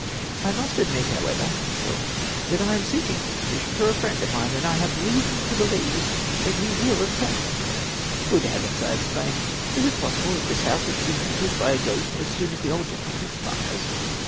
"I must admit, however," he said, "that I am seeking this posi tion for a friend of mine, and I have reason to believe that he will obtain it." "Good heavens!" I exclaimed. "Is it possible that this house is to be haunted by a ghost as soon as the old gentleman expires?